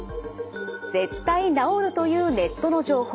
絶対治るというネットの情報。